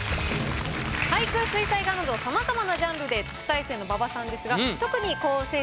俳句水彩画などさまざまなジャンルで特待生の馬場さんですが。